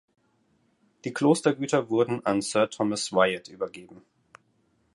Die Klostergüter wurden an Sir Thomas Wyatt übergeben.